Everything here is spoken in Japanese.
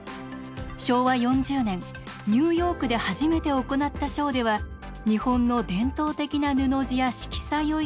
昭和４０年ニューヨークで初めて行ったショーでは日本の伝統的な布地や色彩を生かしたファッションを披露。